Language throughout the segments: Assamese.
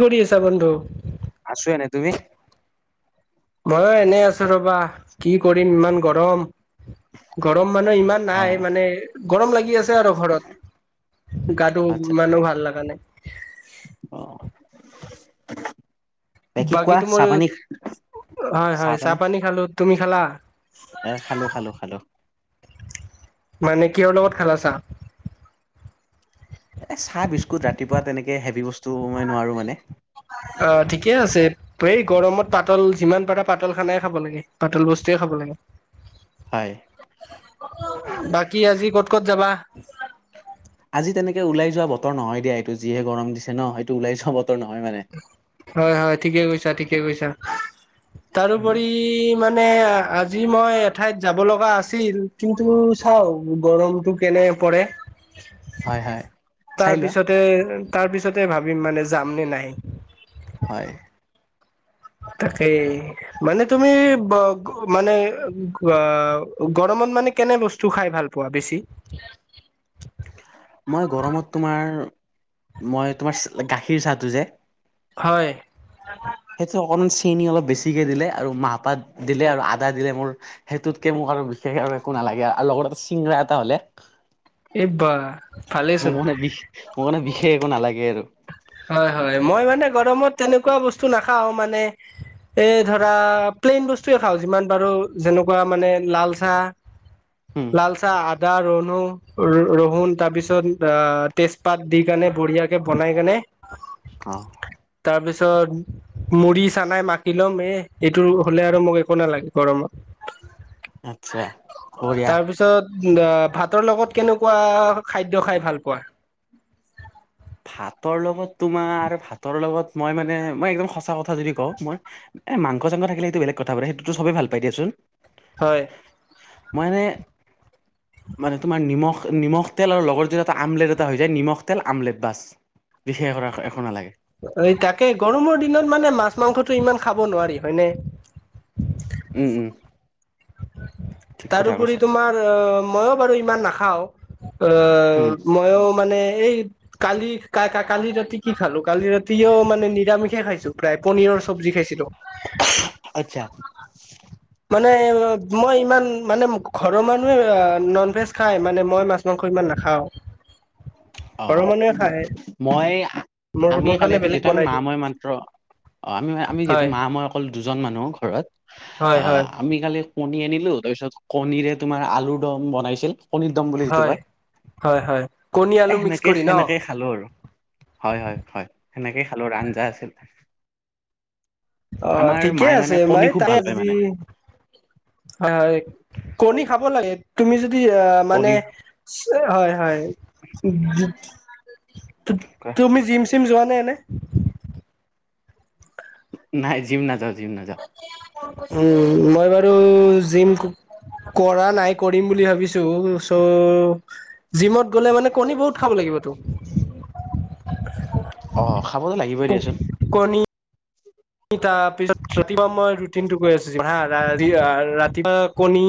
কি কৰি আছা বন্ধু আছো এনে তুমি? ময়ো এনেই আছো ৰবা কি কৰিম ইমান গৰম গৰম মানে ইমান অ নাই মানে গৰম লাগি আছে আৰু ঘৰত গাটো ইমানো ভাল লগা নাই আহ বাকী কোৱা চাহ পানী হয় হয় চাহ পানী খালো। তুমি খালা? এ খালো খালো খালো মানে কিহৰ লগত খালা চাহ এ চাহ বিস্কুট ৰাতিপুৱা তেনেকে হেভি বস্তু মই নোৱাৰো মানে অ ঠিকেই আছে ত এই গৰমত পাতল যিমান পাৰা পাতল খানাই খাব লাগে পাতল বস্তুৱে খাব লাগে হয়। বাকী আজি ক'ত ক'ত যাবা আজি তেনেকে ওলাই যোৱা বতৰ নহয় দিয়া এইটো যিহে গৰম দিছে ন এইটো ওলাই যোৱা বতৰ নহয় মানে। হয় হয় ঠিকে কৈছা ঠিকে কৈছা তাৰোপৰি মা [unintelligible] মানে আজি মই এঠাইত যাব লগা আছিল কিন্তু চাও গৰমটো কেনে হয় হয় চাই তাৰ লোৱা পিছতে তাৰপিছতে ভাবিম মানে যামনে নাই হয় তাকেই মানে তুমি মানে গৰম ত মানে কেনে বস্তু খাই ভাল পোৱা বেছি? [inaudible] মই গৰমত তোমাৰ মই তোমাৰ গাখীৰ চাহটো যে হয়। সেইটো অকমান চেনি অলপ বেছিকে দিলে আৰু মাহপাত দিলে আৰু আদা দিলে মোৰ সেইটোতকে মোৰ বিশেষ আৰু একো নালাগে আৰু লগত এটা চিংৰা এটা হলে। এই বা মোৰ ভালেইচোন মানে বি মোৰ মানে বিশেষ একো নালাগে আৰু। হয় হয় মই মানে গৰমত তেনেকুৱা বস্তু নাখাও মানে এ ধৰা প্লেইন বস্তুয়ে খাওঁ যিমান পাৰো যেনেকুৱা মানে লাল চাহ উম লাল চাহ আ দা ৰন্নো ৰহুন তাৰপিছত অ, তেজপাত দি কিনে বঢ়িয়াকৈ বনাই কেনে অ, তাৰপিছত মুড়ি চানাই মাকি ল'ম এ এইটো হলে আৰু মোক একো নালাগে। গৰমত। আতচ্ছা [unintelligible] তাৰপিছত ভাতৰ লগত কেনেকুৱা খাদ্য খাই ভাল পোৱা? ভাতৰ লগত তোমাৰ আৰু ভাতৰ লগত মই মানে মই একদম সঁচা কথা যদি কওঁ মই এ মাংস চাংস থাকে সেইটো বেলেগ কথা বাৰু সেইটোতো চবে ভাল পায় দিয়াচোন। হয়। মই এনেই মানে তোমাৰ নিমখ নিমখ তেল আৰু লগত য এটা আমলেট এটা হৈ যায় নিমখ তেল আমলেট। বাছ বিষষ কৰা এখো নালাগে। এই তাকে গৰমৰ দিনত মানে মাছ মাংসটো ইমান খাব নোৱাৰি হয়নে। উম, উম,। ঠিক কথা তাৰোপৰি কৈছা তোমাৰ অ, মইো বাৰু ইমান নাখাও। অ, উম মইো মানে এই কালি ক কালি ৰাতি কি খালো কালি ৰাতিও মানে নিৰামিষে খাইছো। প্ৰায় পনীৰৰ চব্জি খাইছিলো। আচ্ছা মানে মই ইমান মানে ঘৰৰ মানুহে নন ভেজ খাই মানে মই মাছ মাংস ইমান নখাওঁ। অ, মই মোৰ আমি মোৰ কালি কাৰণে এতি বেলেগ যিেতটো আমি বনাই মা দিয়ে মই মাত্ৰ অ, আমি আমি যিহেতু হয় মা মই অকল দুজন মানুহ ঘৰত হয় আহ হয় আমি কালি কণী আনিলো তাৰপিছত কণীৰে তোমাৰ আলুৰ দম বনাইছিল কণীৰ দম বুলি যিটো হয় কয়। হয় হয় কণী এ আলু মিক্স সেনেকে কৰি ন সেনেকেই খালো আৰু হয় হয় হয় সেনেকেই খালো আৰু আঞ্জা আছিল। আহ আমাৰ ঠিকে মায়ে মানে আছে মাই কণী খুব তাই ভাল পায় আজি মানে হয় হয় কণী খাব লাগে। য মানে কণী হয় হয়। তুমি জিম চিম যোৱা নাই এনে? নাই জিম না যাও জিম না যাও। উম, মই বাৰু জিম কৰা নাই কৰিম বুলি ভাবিছো চ' জিমত গ'লে মানে কণী বহুত খাব লাগিব। টো। খাবলৈ লাগিবই দিয়াচোন। তাৰ পিছত মই ৰুটিন টো গৈ আছো। হা ৰা ৰাতিপুৱা কণী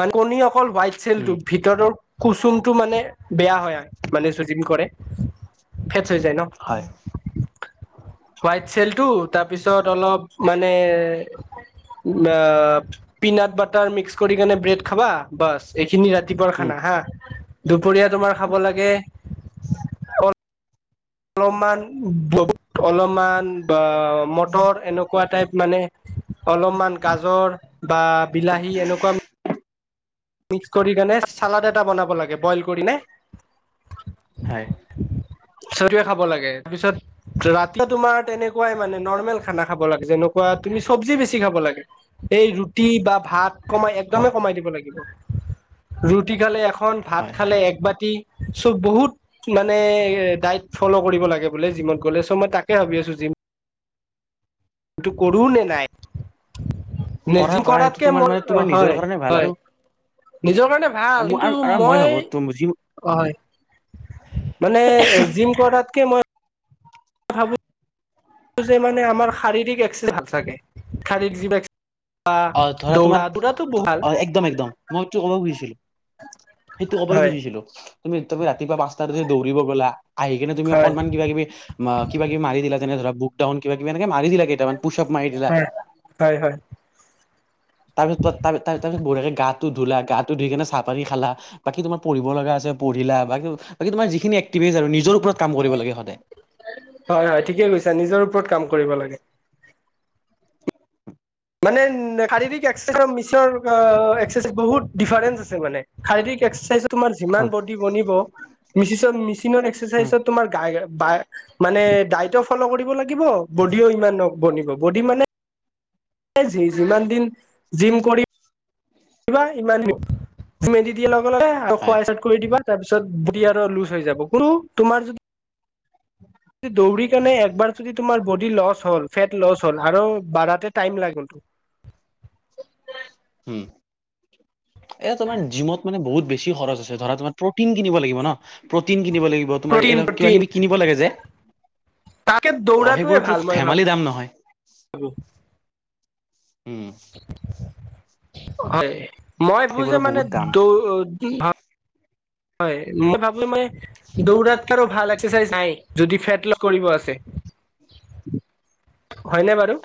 মান কণী অকল হোৱাইট চলটো উম ভিতৰৰ কুচুমটো মানে বেয়া হয় মানে চজিন কৰে। ফেটচ হৈ জাই ন হয় হোৱাত চেল টো তাৰপিছত অলপ মান [unintelligible] পিনাট বাটাৰ মিক্স কৰি কেনে ব্ৰেড খাবা বাচ, এইখিনি ৰাতি উম খানা হা, দুপৰীয়া তোমাৰ খাবো লাগে অল অলপমান ব অলপমান বা মটৰ এনেকুৱা টাইপ মানে অলপমান গাজৰ বা বিলাহী এনেকুৱা মিক্স কৰি কেনে চালাড এটা বনাব লাগে, বইল কৰি ন হয়। [unintelligible] খাব লাগে, তাৰপিছত ৰাতিপুৱা তোমাৰ তেনেকুৱাই মানে নৰ্মেল খানা খাব লাগে, যেনেকুৱা তুমি চবজি বেছি খাব লাগে। এই ৰুটি বা ভাত কমাই হয় একদমেই কমাই দিব লাগিব। ৰুটি খালে এখন হয় ভাত হয় খালে একবতি। চ' বহুত মানে ডাইট ফ'ল' কৰিব লাগে বোলে জিমত গ'লে, চ' মই তাকে ভাবি আছো জিম [inaudible] ইটো কৰো নে নাই। নে কৰা জি কৰা সেইটো কৰাতকে তোমাৰ মোৰ মানে তোমাৰ নিজৰ হয় কাৰণে ভাল হয়। আৰু নিজৰ কাৰণে আৰু ভাল, মই কিন্তু আৰু- আৰু ভাবো মই। যি হয়। মানে জিম কৰাতকে মই ভাবো যে মানে আমাৰ শাৰীৰিক এক থাকে শাৰ- ৰিক অ ধৰা তোমাৰ, ভাল। অ একদম একদম, মই তো কব খুজিছিলো। সেইটো ক'বই হয় খুজিছিলো। তুমি তুমি ৰাতিপুৱা পাঁচটাাতহ দৌব গ'লা। আহি কিনে তুমি হয় অকনমান কিবা কিবি কিবা কিবি মাৰি দিলা যেনে ধৰা বুকডাউন কিব কিবি মাৰি দিলা কেইটামান পুচপ মাৰি দিলা, হয় হয় হয় তাৰ পিছত তা-তা-তাৰ পিছত বুৰাকে গাটো ধুলা, গাটো ধু কিনে চাহ পানী খালা। বাকী তোমাৰ পঢ়িব লগা আছে পঢ়িলা ব বাকী তোমাৰ যিখিনি এক্টিভিজ আৰু নিজৰ ওপৰত কাম কৰিব লাগে সদায় হয়, হয় ঠিকে কৈছা নিজৰ ওপৰত কাম কৰিব লাগে। মানে শাৰীৰিক [unintelligible] বহুত ডিফাৰেঞ্চ আছে মানে। শাৰীৰিক এক্সাৰচাইজ তোমাৰ হয়। যিমান বডি বনিব, মিচ-মেচিনৰ উম এক্সাৰচাইজত তোমাৰ গ মানে ডাইটো ফ'ল' কৰিব লাগিব, বডিও ইমান নব। বডি মানে যিমান দিন জিম কৰি [unintelligible] আৰু খোৱা হয় ষ্টাৰ্ড কিৰি দিবা। তাৰপিছত বডি আৰু লুজ হৈ যাব। [unintelligible] তোমাৰ যদি দৌৰি মানে একবাৰ যদি তোমাৰ বডি লছ হ'ল, ফেট লছ হ'ল আৰু বাঢ়াতে টাইম লাগে কিন্তু। হম। এয়া তোমাৰ জিমত মানে বহুত বেছি খৰচ আছে ধৰা তোমাৰ প্ৰটিন কিনিব লাগিব ন প্ৰত কিনিব লাগিব, তোমাৰ প্ৰটিন এই কিবা প্ৰটিন কিবি কিনিব লাগে যে। তাকে অ' দৌৰাটোৱে সেইবোৰতো ভাল মই ধেমালি দাম নহয়। ভাবো উম। হয় মই ভাবো যে সেইবোৰৰ মানে বহুত দাম দ হয় মই ভাবো মই দৌৰাত কে আৰু ভাল একাৰাইজ নাই যদি ফেট লছ- কৰিব আছে। [inaudible] হয়নে বাৰু?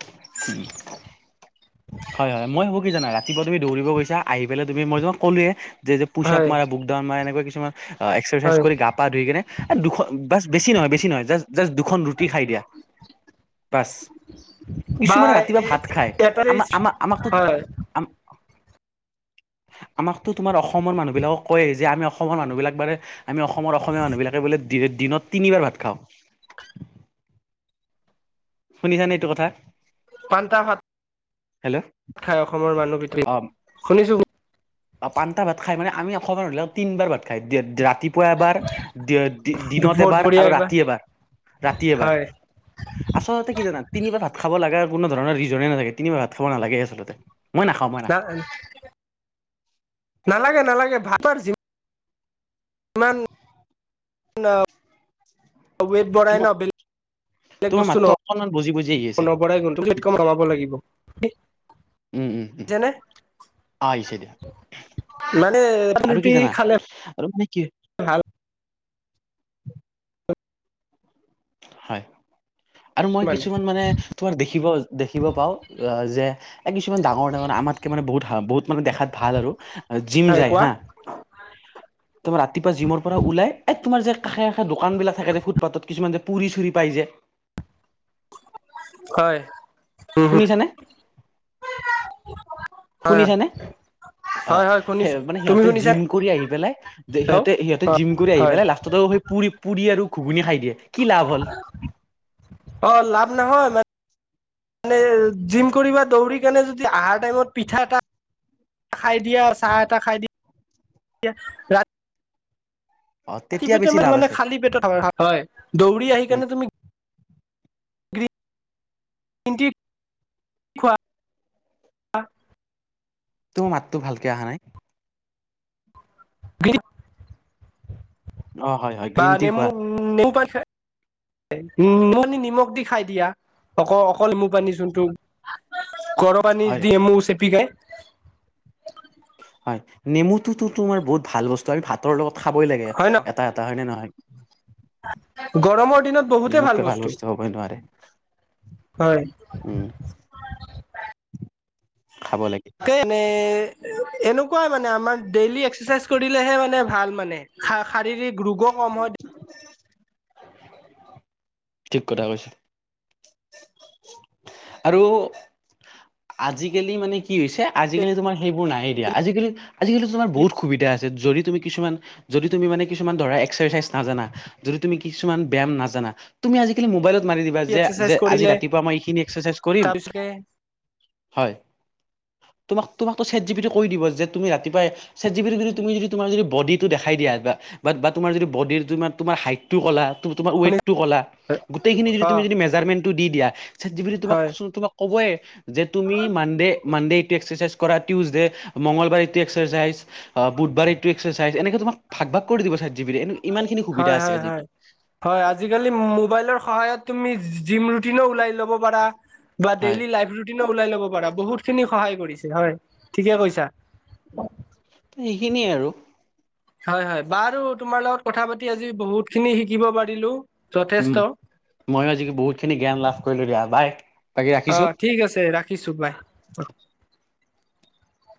হয়, হয় মই হ'ব কি জানা ৰাতিপুৱা তুমি দৌৰিব গৈছা আহি পেলাই তুমি মই যে কলোৱে যে-যে পুচাপ হয় মাৰা, বুকডাউন মাৰা, এনেকুৱা কিছুমান এক্সাৰচাইজ হয় কৰি গা পা ধুই কিনে দু খ বা বেছ নহয় বেছ নহয়, জাষ্ট দুখন ৰুটি খাই দিয়া বাছ, বা কিছুমানে ৰাতিপুৱা ভাত খাই এটা আমাৰ হয় আমাক-আমাকটো-আম আমাকতো তোমাৰ অসমৰ মানুহবিলাকক কয় যে আমি অসমৰ মানুহবিলাক বালে আমি অসমৰ অসমীয়া মানুহ বিলাকে বো দিনত তিনিবাৰ ভাত খাওঁ। শুনিছানে এটো কথা? পান্তা ভাত, হেল্ল' খাই অসমৰ মানুহ বিতলি, শুনিছোঁ শুনি অ' পান্তা ভাত খাই মানে আমি অসমৰ হ'লেও তিনবাৰ ভাত খায়। দিয়ে, ৰাত ৰাতিপুৱা এবাৰ, দিয়ে-দি-দিনত এবাৰ দুপৰীয়া আৰু একবাৰ ৰাতি এবাৰ, ৰাতি এবাৰ। হয় আচলতে কি জানা তিনিবাৰ ভাত খাব লগা কোনো ধৰণৰ ৰিজনে নাথাকে। তিনিবাৰ ভাত খাব নালাগে আচলতে। মই নাখাওঁ মই নাখাওঁ নাই, নালাগে নালাগে ভাতৰ যি মান, আ ৱেট বঢ়াই ন তোমাৰ বেল বেলেগ তোমাৰ বস্তু ন, মাতটো অকনমান বুজি বুজি আহি আছে নৱৰাই কিন্তু বুজি পাই, ৱেট কমাব লাগিব। কি? উ, উ, উ, আহিছে দিয়া। মানে আৰু কি ৰুটি জানা খালে আৰু মানে কি ভাল। [inaudible] হয় আৰু মই কিছুমান মানে তোমাৰ দেখিব দেখিব পাওঁ আ যে এ কিছুমান ডাঙৰ ডাঙৰ আমাতকে মানে বহুত হা, বহুত মানে দেখাত ভাল আৰু জিম হয় যায় কোৱা হা। তোমাৰ ৰাতিপা জিমৰ পৰা ওলাই, এ তোমাৰ যে কাষে কাষে দোকান বিলাক থাকে যে ফুটপাতত কিছুমান যে। পুৰি চুৰি পাই যে। হয়, উ হ। শুনিছানে শুনিছানে? হয় অ' হয় হে শুনিছো মানে তুমি হিহঁতে শুনিছা জিম কৰি আহি পেলাই যে, হেল্ল' সিহঁতে সিহঁতে অ জিম কৰি আহি হয় পেলাই লাষ্টতো পুৰি, পুৰি আৰু ঘুগুনী খাই দিয়ে। কি লাভ হ'ল? অ লাভ নহয় মানে জিম কৰিবা, দৌৰি কেনে যদি আহাৰ টাইমত পিঠা এটা খাই দিয়া, চাহ এটা খাই দিয়া, ৰাত অ তেতিয়া ৰাতিপুৱা বেছি টাইমত লাভ মানে আছে খালী পেটত খাৱা, খাৱা হয়। দৌৰি আহি উম কেনে তুমি গ্ৰী ইনকি, খোৱা। তোৰ মাতটো ভালকে আহা নাই। অ হয় হয় বা গ্ৰীণ টি নেমু, খোৱা নেমু পানী খাই উ নেমু পানী নিমখ দি খাই দিয়া। অক, অকল নেমু পানী জোনটো। গৰ পানী হয় দি নেমু চেপি খায়। হয় নেমুটোতো তোমাৰ বহুত ভাল বস্তু আমি ভাতৰ লগত খাবই লাগে হয় ন এটা এটা হয়নে নহয়? গৰমৰ দিনত বহুতেই ভাল নেমুতকৈ বস্তু। হ'বই নোৱাৰে হয়। উম [inaudible] খাব লাগে কেনে? এ-এ-এনেকুৱাই মানে আমাৰ ডেইলী এক্সাচাইজ কৰিলেহে মানে ভাল মানে। শা-শাৰীৰিক ৰোগ গ কম হয়। ঠিক কথা কৈছে। আৰু আজিকালি মানে কি হৈছে, আজিকালি তোমাৰ হেইবোৰ নায়ে দিয়া। আজিকালি, আজিকালি তোমাৰ বহুত সুবিধা আছে। যদি তুমি কিছুমান, যদি তুমি মানে কিছুমান ধৰা এক্সাৰচাইজ নাজানা, যদি তুমি কিছুমান ব্যায়াম নাজানা। তুমি আজিকালি মোবাইলত মাৰি দিবা যে, এক্সাৰচাইজ যে আজি কৰিলে ৰাতিপুৱা মই এইখিনি এক্সাৰচাইজ কৰিম। তাৰপিছতে হয়। তোমাক, তোমাকো ছেট জিপিতি কৈ দিব যে তুমি ৰাতিপুৱাই ছেট জিপিতি যদি তুমি যদি, তোমাৰ যদি ব'ডিটো দেখাই দিয়া বা-বাত-বাত তোমাৰ যদি ব'ডিৰ তোমাৰ-তোমাৰ হাইটটো কলা। তো-তোমাৰ শুনি ৱেটটো কলা, গোটেইখিনি যদি অ তুমি যদি মেজাৰমেন্টটো দি দিয়া। ছেট জিপিতি তোমাক হয় হয় চো, তোমাক ক'বয়ে যে তুমি মানডে, মানডেত টো এক্সাৰচাইজ কৰা, টিউজডে, মংগলবাই এটো এক্সাৰচাইজ, আ বুধবাৰে এটো এক্সা চাইজ, এনেকে তোমাক ভাগ ভাগ কৰি দিব চাই। হয় হয় হয় হয়। আজিকালি মোবাইলৰ সহায়ত তুমি জিম ৰুটিনো ওলাই লব পৰা বা হয় ডেইলী লাইফ ৰুটিনো ওলাই লব পাৰা বহুতখিনি সহায় কৰিছে। হয় ঠিকে কৈছা। সেইখিনিয়ে আৰু। হয় হয়। বাৰু তোমাৰ লগত কথা পাতি আজি বহুতখিনি শিকিব পাৰিলোঁ। উম, ময়ো আজি বহুতখিনি জ্ঞান লাভ কৰিলোঁ, দিয়া বাই। বাকী ৰাখিছোঁ অ' ঠিক আছে ৰাখিছোঁ বাই অ'।